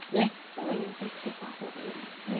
常に気をつけた方がいいんですね。